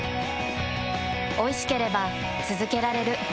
おいしければつづけられる。